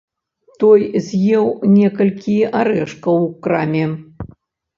Той з'еў некалькі арэшкаў у краме.